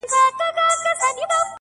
تفسير دي راته شیخه د ژوند سم ویلی نه دی,